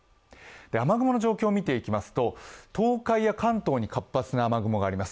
雨雲の状況を見ていきますと東海や関東に活発な雨雲があります。